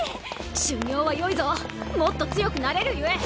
修行はよいぞもっと強くなれるゆえ！